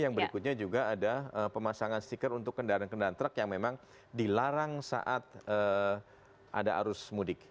yang berikutnya juga ada pemasangan stiker untuk kendaraan kendaraan truk yang memang dilarang saat ada arus mudik